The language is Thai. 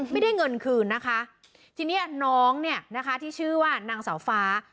ไม่ได้เงินคืนนะคะทีนี้น้องเนี่ยนะคะที่ชื่อว่านางสาวฟ้า